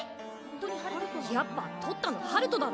やっぱとったの陽翔だろ？